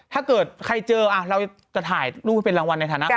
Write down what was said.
ถ้าเกิดใครเจอเราจะถ่ายรูปเป็นรางวัลในฐานะ